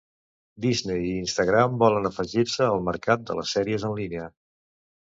Disney i Instagram volen afegir-se al mercat de les sèries en línia.